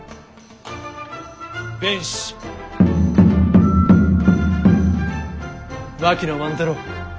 弁士槙野万太郎。